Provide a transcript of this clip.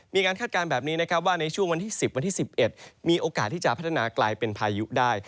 คาดการณ์แบบนี้นะครับว่าในช่วงวันที่๑๐วันที่๑๑มีโอกาสที่จะพัฒนากลายเป็นพายุได้